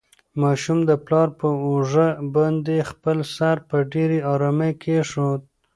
ماشوم د پلار په اوږه باندې خپل سر په ډېرې ارامۍ کېښود.